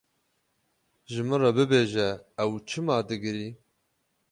Ji min re bibêje ew çima digirî?